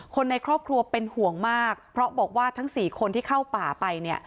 คนในครอบครัวเป็นห่วงมากเพราะบอกว่าทั้งสี่คนที่เข้าป่าไปเนี่ย